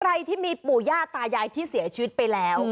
ใครที่มีปู่ย่าตายายที่เสียชีวิตไปแล้ว